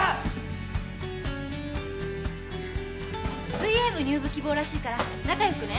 水泳部入部希望らしいから仲よくね。